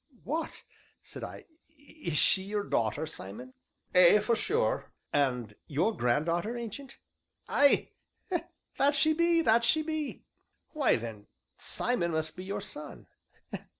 "What," said I, "is she your daughter, Simon?" "Ay, for sure." "And your granddaughter, Ancient?" "Ay, that she be, that she be." "Why, then, Simon must be your son."